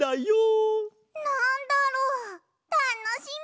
なんだろう？たのしみ！